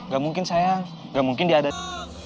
gak mungkin saya gak mungkin dia ada di